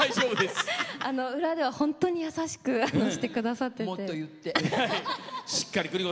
裏では本当に優しくしてくださってて。